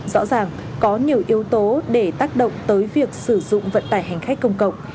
rõ ràng có nhiều yếu tố để tác động tới việc sử dụng vận tải hành khách công cộng